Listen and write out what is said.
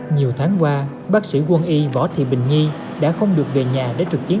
nhiều tháng qua bác sĩ quân y võ thị bình nhi đã không được về nhà để trực chiến